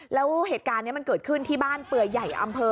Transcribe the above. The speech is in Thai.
แล้วเหตุการณ์นี้มันเกิดขึ้นที่บ้านเปลือใหญ่อำเภอ